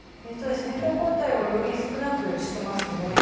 先頭交代をより少なくしていますよね。